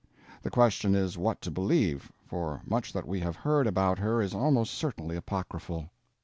The question is what to believe, for much that we have heard about her is almost certainly apocryphal.